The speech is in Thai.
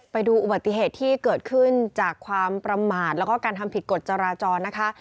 ไปดูอุบัติเหตุที่เกิดขึ้นจากความประมาทแล้วก็การทำผิดกฎจราจรนะคะ